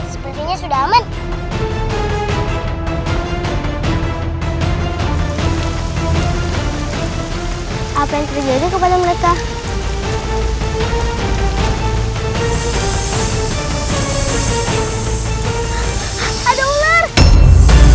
sini selamat menikmati